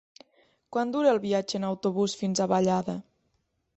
Quant dura el viatge en autobús fins a Vallada?